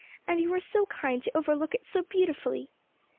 "And you are so kind to overlook it so beautifully."